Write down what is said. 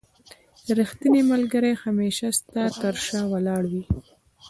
رښتينی ملګري هميشه ستا تر شا ولاړ وي.